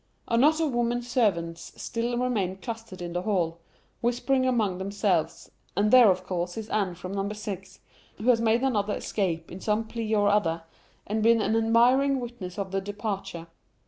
A knot of women servants still remain clustered in the hall, whispering among themselves, and there of course is Anne from number six, who has made another escape on some plea or other, and been an admiring witness of the departure.